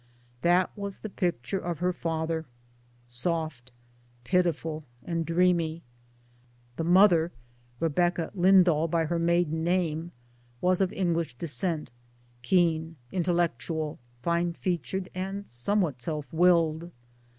That was the picture of the father soft, pitiful and dreamy. The mother, Rebecca Lyndall by her maiden name, was of English descent, keen, intel lectual, fine featured and somewhat self willed.